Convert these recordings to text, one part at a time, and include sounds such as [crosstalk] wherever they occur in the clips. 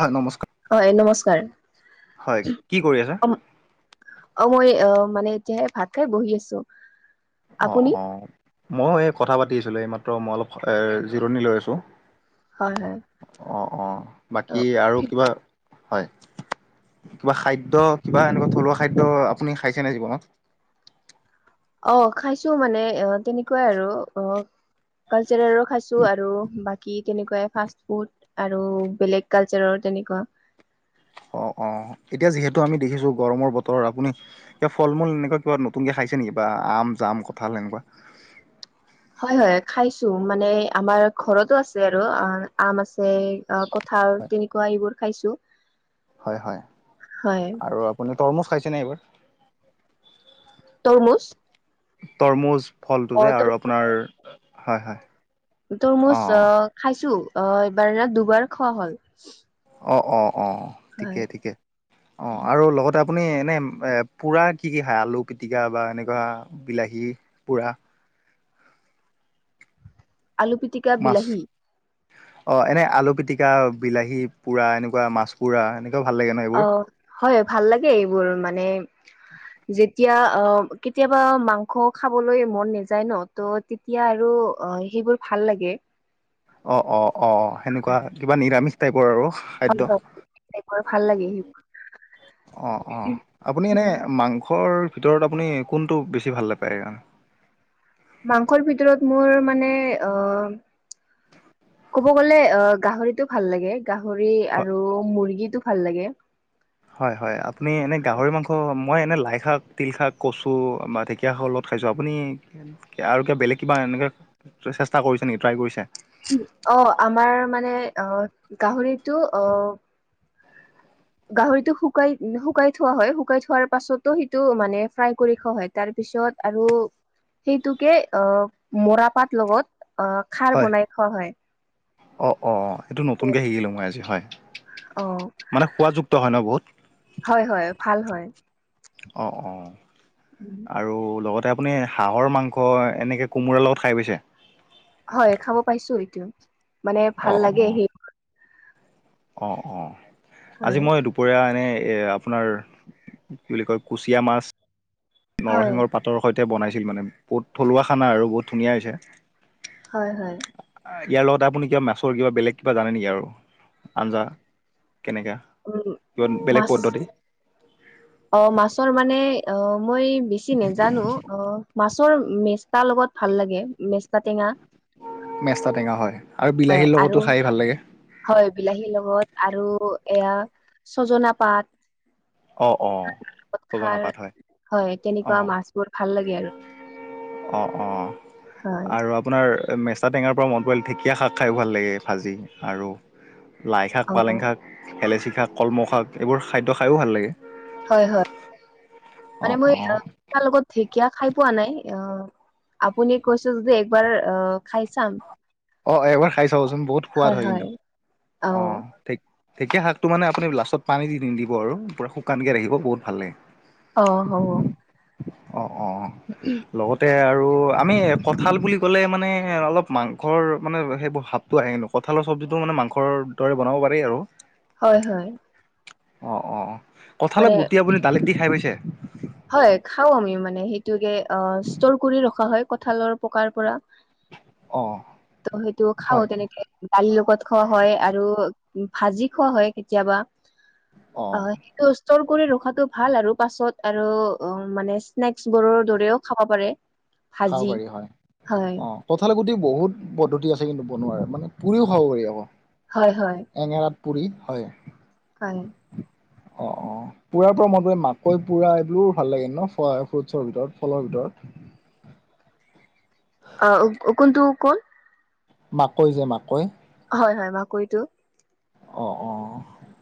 হয় নমস্কাৰ হয় নমস্কাৰ। হয় কি কৰি আছে? অ মই অ মানে এতিয়াহে ভাত খাই বহি আছো। অ আপুনি অ। ময়ো এই কথা পাতি আছিলো এইমাত্ৰ মই অলপ জিৰণি লৈ আছোঁ। হয় হয় অঁ অঁ অ বাকী আৰু কিবা হয় কিবা খাদ্য কিবা এনেকুৱা থলুৱা খাদ্য আপুনি খাইছেনে জীৱনত? অঁ খাইছো মানে অ তেনেকুৱাই আৰু অ- হোটেলৰো খাইছো আৰু- কি তেনেকুৱাই ফাষ্ট ফুড আৰু বেলেগ কালচাৰৰ তেনেকুৱা। অ অ এতিয়া যিহেতু আমি দেখিছো গৰমৰ বতৰত আপুনি এতিয়া ফল মূল এনেকুৱা কিবা নতুনকে খাই পাইছে নেকি বা আম যাম কথা হ'লে এনেকুৱা? [unintelligible] হয় হয় খাইছো, মানে আমাৰ ঘৰতো আছে আৰু আম আছে অ কঠাল তেনেকুৱা এইবোৰ খাইছো। হয় হয়, হয় আৰু আপুনি তৰমুজ খাইছেনে এবাৰ? তৰমুজ? তৰমুজ ফলটো অ যে তৰ আৰু আপোনাৰ হয় হয় তৰমুজ অঁ আহ খাইছোঁ অ এইবাৰ ন দুবাৰ খোৱা হ'ল। অঁ অঁ অঁ হয় ঠিকে ঠিকে অঁ আৰু লগতে আপুনি এনে এ পোৰা কি কি খায় আলু পিতিকা বা এনেকুৱা বিলাহী পোৰা আলু পিটিকা মাছ বিলাহী অ, এনে আলু পিটিকা বিলাহী পোৰা এনেকুৱা মাছ পোৰা এ অ, হয় ভাল লাগে এইবোৰ মানে যেতিয়া কেতিয়াবা মাংস খাবলৈ মন নাযায় ন ত' তেতিয়া আৰু সেইবোৰ ভাল লাগে। অ', অ', অ', অ', সেনেকুৱা কিবা নিৰামিষ টাইপৰ আৰু। খাদ্য হয় ভাল লাগে সেইবোৰ। অ', অ', আপুনি এনে মাংসৰ ভিতৰত আপুনি কোনটো বেছি ভাল নাপায় আৰু। মাংসৰ ভিতৰত মোৰ মানে অ, ক'ব গলে আহ গাহৰিটো ভাল লাগে গাহৰি আৰু মুৰ্গীটো ভাল লাগে। হয়-হয় আপুনি এনে গাহৰি মাংস মই এনে লাই শাক তিল শাক কচু বা ঢেঁকীয়া শাকৰ লগত খাইছোঁ আপুনি আৰু কিব বেলেগ কিবা এনেকৈ চেষ্টা কৰিছে নেকি ট্ৰাই কৰিছে। অ, আমাৰ মানে আহ গাহৰিটো অ, গাহৰিতটো শুকাই - শুকাই থোৱা হয় শুকাই থোৱাৰ পাছতো সিটো মানে ফ্ৰাই কৰি খোৱা হয় তাৰ পিছ ত পিছত আৰু সেইটোকে অ, মৰা পাত লগত অ, খাৰ হয় বনাই খোৱা হয়। অ', অ', এইটো নতুনকে শিকিলো মই আজি হয় অ মানে সোৱযুক্ত হয় ন বহুত। হয় হয় ভাল হয় অ', অ', আৰু লগতে আপুনি হাঁহৰ মাংস এনেকৈ কোমোৰাৰ লগত খাই পাইছে? হয় খাব পাইছো, এইটো মানে অ ভাল অ লাগে সেই অ', অ', হয় আজি মই দুপৰীয়া এনেই এই আপোনাৰ কি বুলি কয় কুচিয়া মাছ হয় নৰসিংহৰ পাতৰ সৈতে তে বনাইছিল মানে বহুত থলুৱা খানা আৰু বহুত ধুনীয়া হৈছে হয়, হয়, ইয়াৰ লগতে আপুনি কিবা মাছৰ কিবা বেলেগ কিবা জানে নেকি আৰু আঞ্জা কেনেকা উম, কিবা বেলেগ মাছ পদ্ধতি অ', মাছৰ মানে অ', মই বেছি নেজানো অ', মাছ ছৰ মেচা লগত ভাল লাগে মেষ্টা টেঙা মেস্তা টেঙা হয় আৰু হয়, বিলাহীৰ লগতো আৰু খাই ভাল লাগে হয়, বিলাহীৰ লগত আৰু এয়া, ছজনা পাত অ', অ', ছজনা খাৰ পাত হয় হয় অ তেনেকুৱা মাছবোৰ ভাল লাগে আৰু অ', অ', হয় আৰু আপোনাৰ মেস্তা টেঙাৰ পৰা মন পৰি ঢেকীয়া শাক খায়ো ভাল লাগে ভাজি আৰু লাই শাক অ পালেং শাক খেলেচি শাক কলমৌ শাক এইবোৰ খাদ্য খায়ো ভাল লাগে হয়, হয় অ মানে অ মই তাৰ লগত ঠিক কিয়া খাই পোৱা নাই আহ আপুনি কৈছে যদি একবাৰ আহ খাই চাম অ', এবাৰ খাই চাবচোন বহুত সোৱাদ হয় কিন্তু অ', ঠিক ঢেঁকীয়া শাকটো মানে আপুনি লাষ্টত পানী নিদিব আৰু পুৰা শুকানকে ৰাখিব বহুত ভাল লাগে অ', হ অ অ', লগতে আৰু আমি কঠাল বুলি ক'লে মানে অলপ মাং মাংসৰ মানে সেইবোৰ ভাৱটো আহে কঁঠালৰ চব্জিতটো মানে মাংসৰ দৰে বনাব পাৰি আৰু হয়, হয়, অ', অ', কঠালত মানে গুটি আপুনি দালিত দি খাই পাইছে হয়, খাও আমি মানে সেইটে ষ্টৰ কৰি ৰখা হয় কঁঠালৰ পকাৰ পৰা অ ত হেয়েইটো খাও হয় তেনেকে দালিৰ লগত খোৱা হয়, আৰু ভাজি খোৱা হয় কেতিয়াবা অ', সেইটো বস্ত ষ্টৰ কৰি ৰখাতটো ভাল আৰু পাছত আৰু মানে স্নেক্চ বোৰৰ দৰেও খাব পাৰে খাব ভাজি বাৰী হয়, হয় অ', কঠাল গুটি বহুত পদ্ধতি আছে কিন্তু বনোৱাৰে মানে পুৰিও খাব পাৰি আকৌ হয়, হয় পি হয় হয় অ', অ', পোৰাৰ পৰা মন প মাকৈ পুৰা এইবিলো ভাল লাগে ন ফ্ৰুটছৰ ভিতৰত ফলৰ ভিতৰত [unintelligible] অ', কোনটো কোন মাকৈ, যে মাকৈ হয়, হয় মাকৰিটো অ', অ',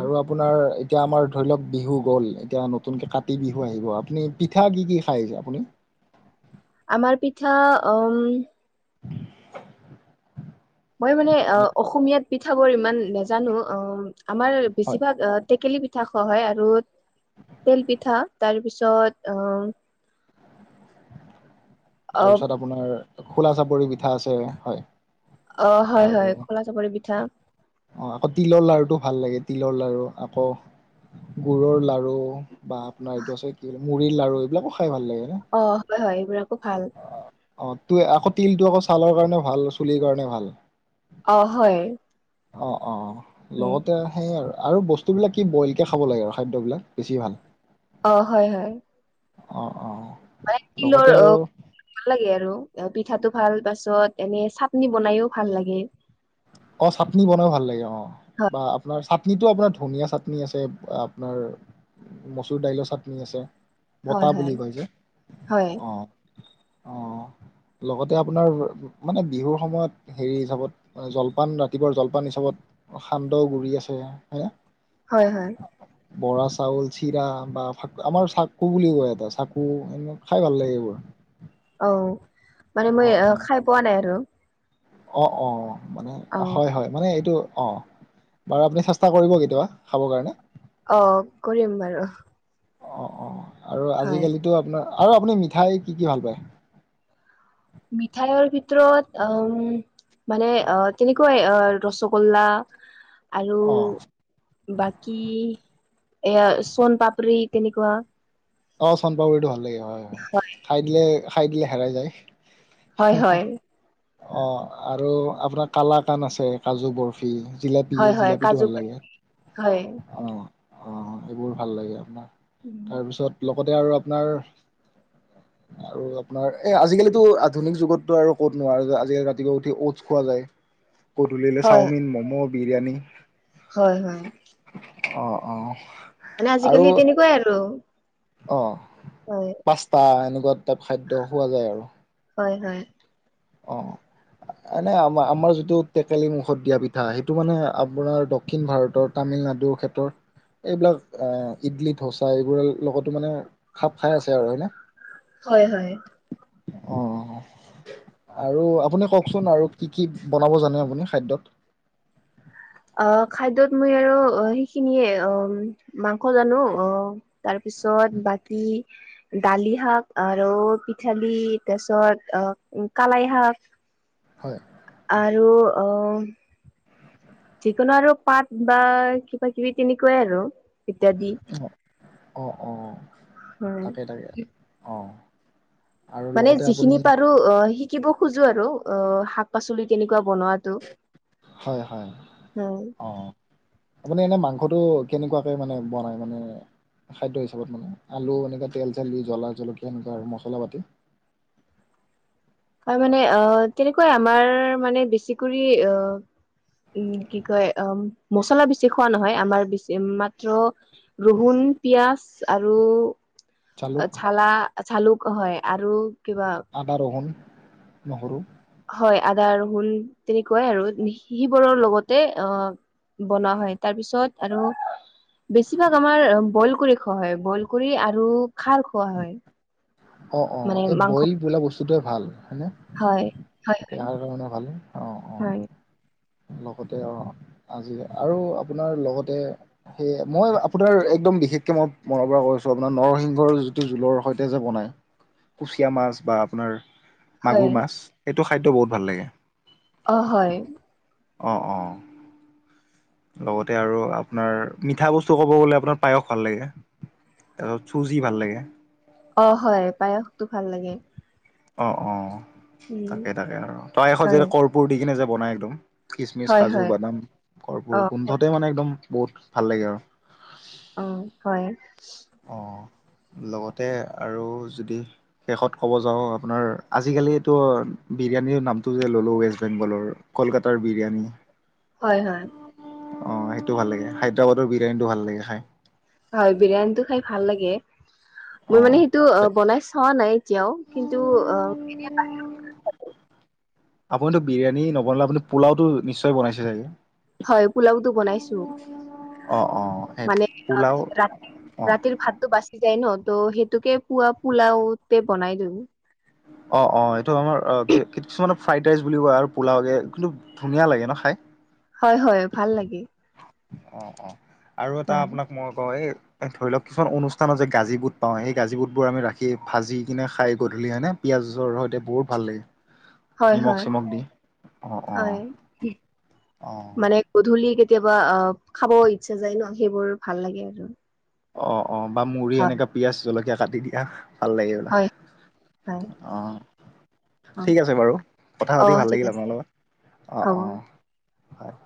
আৰু আপোনাৰ এতিয়া আমাৰ ধৰি লওক বিহু গ'ল এতিয়া নতুনকে কাতি বিহু আহিব আপুনি পিঠা কি কি খাই আহছে আপুনি আমাৰ পিঠা উম মই মানে অ অসমীয়াত পিঠ বোৰ ইমান নাজানো, অ', আমাৰ হয় বেছিভাগ অ টেকেলি পিঠা খোৱা হয়। আৰু তেল পিঠা তাৰ পিছত অহ [inaudible] তাৰপিছত আপোনাৰ খোলা চাপৰি পিঠা আছে হয় অ হয় আৰু হয় খোলা চাপৰি পিঠা অ আকৌ তিলৰ লাৰুটো ভাল লাগে তিলৰ লাৰু আকৌ গুৰৰ লাৰু বা আপোনাৰ এইটো আছে কি মুড়িৰ লাৰু এইবিলাকো খাই ভাল লাগে ন অ', হয়', হয়', এইবিলাকো ভাল। অ', তো আকৌ তিলটো আকৌ ছালৰ কাৰণে ভাল, চুলিৰ কাৰণে ভাল। অ', হয়। অ', অ', অ', উম লগতে সেই আৰু আৰু বস্তুবিলাক কি ব'ইলকে খাব লাগে আৰু খাদ্যবিলাক বেছি ভাল। অ', হয়, হয়। অ'। অ মানে লগতে তিলৰ অ', আৰু ভাল লাগে আৰু। অ', পিঠাটো ভাল পাছত এনে চাটনি বনাইও ভাল লাগে। অ', চাটনি বনায়ো ভাল লাগে অ', হয় বা আপোনাৰ চাটনিটো আপোনাৰ ধনীয়া চাটনি আছে, আপোনাৰ মচুৰ দাইলৰ চাটনি আছে, হয় বতা বুলি হয় কয় যে, হয় অ'। অ', লগতে আপোনাৰ মানে বিহুৰ সময়ত হেৰি হিচাপত অ', জলপান ৰাতিপুৱাৰ জলপান হিচাপত সান্দহ গুৰি আছে, হয় নে? হয় হয় বৰা চাউল, চিৰা বা আমাৰ চাকু বুলি কয় এটা চাকু এনে খাই ভাল লাগে এইবোৰ অ', মানে মই অ' খাই পোৱা নাই আৰু। অ', অ', মানে অ হয়, হয় মানে এইটো অ', বাৰু আপুনি চেষ্টা কৰিব কেতিয়াবা, খাব কাৰণে। অ', কৰিম বাৰু। অ', অ', আৰু হয়। আজিকালিটো আপোনাৰ আৰু আপুনি মিঠাই কি কি ভাল পায়? মিঠাইৰ ভিতৰত অ', ম মানে অ', তেনেকুৱাই অ', ৰসগোল্লা। আৰু অ' বাকী এয়া চনপাপৰি। তেনেকুৱা। অ', চানপাপৰিটো ভাল লাগে হয়, হয়, হয়, খাই দিলে, খাই দিলে হেৰাই যায়। হয়, হয়। অ', আৰু আপোনাৰ কালাকান আছে কাজু বৰ্ফি। জিলাপি, হয় হয় জিলাপিটো কাজু ভাল লাগে, হয় অ'। অ', এইবোৰ ভাল লাগে আপনাৰ তাৰপিছত লগতে আৰু আপনাৰ [inaudible] আৰু আপনাৰ এ আজিকালিটো আধুনিক যুগতটো আৰু ক'তনো আজিকালি ৰাতিপুৱা উঠি ওট্ছ খোৱা যায়। [inaudible] গধূলিলৈ হয় চাউমিন, ম'ম', বিৰিয়ানী। হয়, হয়। অ', অ'। মানে আৰু আজিকালি তেনেকুৱাই আৰু। অ', হয় পাস্তা এনেকুৱা টাইপ খাদ্য খোৱা যায় আৰু। হয়, হয়। অ'। এনে আম-আমাৰ যিটো টেকেলি মুখত দিয়া পিঠা, সেইটো মানে আপোনাৰ দক্ষিণ ভাৰতৰ তামিল নাডু ক্ষেত্ৰৰ এইবিলাক এ ইডলি ধৌচা এইবোৰৰ লগতো মানে খাপ খাই আছে আৰু হয় নে? হয় হয় অহ। আৰু আপুনি কওঁকচোন আৰু কি কি বনাব জানে আপুনি খাদ্যত? অ', খাদ্যত মই আৰু অ', সেইখিনিয়ে অ', মাংস জানো অ', তাৰপ পিছত বাকী দালি শাক আৰু পিঠালি তাৰপিছত অহ উম, কালাই শাক। হয়। আৰু অ' যিকোনো আৰু পাত বা কিবা কিবি তেনেকুৱাই আৰু। ইত্যাদি অ অ অ হয় তাকেই তাকে অ আৰু মানে লগতে আপুনি যিখিনি পাৰো অ শিকিব খোজো আৰু অ শাক পাচলি কেনে হয় হয় হয় অ আপুনি এনে মাংস ফটো কেনেকুৱাকে মানে বনাই মানে খাদ্য হিচাপত মানে আলু এনেকুৱা তেল চলি জলা জলকীয়া এনেকুৱা আৰু মছলা পাতি [inaudible] হয় মানে অ তেনেকুৱাই আমাৰ মানে বেছিকৰি আহ উম কি কয় অ মচলা বেছি খোৱা নহয় আমাৰ বেছি মাত্ৰ ৰহুন পিয়াজ আৰু জালুক ঝালা ঝালুক হয় আৰু কিবা আদা ৰোহন নহৰু হয় আদা ৰহুন তেনেকুৱাই আৰু সিবোৰৰ লগতে অ বনোৱা হয় তাৰ পিছত আৰু বেছিভাগ আমাৰ বইল কৰি খোৱা হয় বইল কৰি আৰু খাৰ খোৱা হয় অ অ মানে এই মাংস বইল বোলা বস্তুটোৱে ভাল হয়নে হয় হয় হয় দেহাৰ কাৰণে ভালেই অঁ হয় অঁ লগতে অ আজি আৰু আপোনাৰ লগতে সেই মই আপোনাৰ একদম বিশেষকে মই মনৰ পৰা কৈছো আপোনাৰ নৰসিংহৰ যিটো জোলৰ সৈতে যে বনায় কুচিয়া মাছ বা আপোনাৰ হয় মাগুৰ মাছ এইটো খাদ্য বহুত ভাল লাগে অ হয় অঁ অঁ লগতে আৰু আপোনাৰ মিঠা বস্তু ক'ব গলে আপোনাৰ পায়স ভাল লাগে তাৰপাছত চুজি ভাল লাগে অ হয় পায়সতো ভাল লাগে অ অ উম তাকে তাকে আৰু পায়সত যে হয় কৰ্পূৰ দি কিনে যে বনাই একদম খিচমিচ হয় কাজু হয় বাদাম অ কৰ্পোৰ হয় গোন্ধতে মানে একদম বহুত ভাল লাগে আৰু অ হয় অ লগতে আৰু যদি শেষত ক'ব যাওঁ আপোনাৰ আজিকালি এইতো বিৰিয়ানীৰ নামটো যে ল'লো ৱেষ্ট বেংগলৰ কলকাতাৰ বিৰিয়ানী হয় হয় অ সেইটো ভাল লাগে হায়দৰাবাদৰ বিৰিয়ানীটো ভাল লাগে খাই হয় বিৰিয়ানীটো খাই ভাল লাগে অ মোৰ মানে সেইটো অ বনাই চোৱা নাই এতিয়াও কিন্তু অ আপুনিতো বিৰিয়ানি নবনালে আপুনি পোলাওটো নিশ্চয় বনাইছে চাগে হয় পোলাওটো বনাইছো অ অ সেই মানে পোলাও ৰা অ ৰাতিৰ ভাতটো বাচি যাই ন ত' সেইটোকে পোৱা পোলাওতে বনাই দিওঁ অ অ এইটো আমাৰ কিছুমানে ফ্ৰাইড ৰাইচ বুলিও কয় আৰু পোলাওকে কিন্তু ধুনীয়া লাগে ন খাই হয় হয় ভাল লাগে অ অ আৰু এটা আপোনাক মই কওঁ এই এ ধৰি লওক কিছুমান অনুষ্ঠানত যে গাজী বুট পাওঁ সেই গাজী বুট বোৰ আমি ৰাখি ভাজি কিনে খাই গধূলি হয়নে পিয়াঁজৰ সতে বহুত ভাল লাগে হয় নিমখ হয় চিমখ দি অ', অ', হয় অ'। মানে গধূলি কেতিয়াবা আহ খাব ইচ্ছা যায় ন সেইবোৰ ভাল লাগে আৰু অঁ অঁ বা মুড়ি হয় এনেকে পিয়াঁজ, জলকীয়া কাটি দিয়া ভাল লাগে এইবিলাক। হয় হয় অঁ! অ ঠিক আছে বাৰু! কথা অ পাতি ভাল ঠিক লাগিল আছে আপোনাৰ লগত। অঁ হ'ব অঁ! হয়!